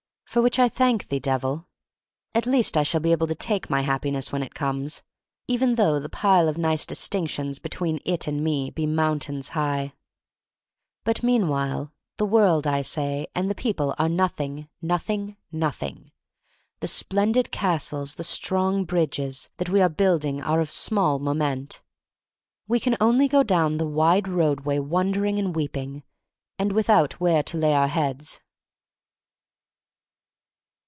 For which I thank thee, Devil. At least I shall be able to take my Happiness when it comes — even though the piles of nice distinctions between it and me be mountains high. But meanwhile, the world, I say, and the people are nothing, nothing, noth ing. The splendid castles, the strong bridges, that we are building are of small moment. We can only go down the wide roadway wondering and weep ing, and without where to lay our heads.